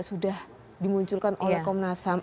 sudah dimunculkan oleh komnas ham